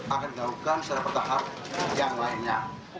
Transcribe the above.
akan dilakukan secara bertahap yang lainnya